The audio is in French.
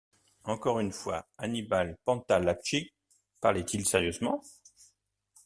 Encore une fois, Annibal Pantalacci parlait-il sérieusement?